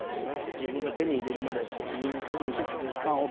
自分が手に入れるまでっていうふうに決めてたんで。